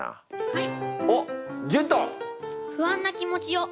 はい。